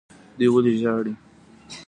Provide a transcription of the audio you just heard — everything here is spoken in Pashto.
دوی ولې ژاړي.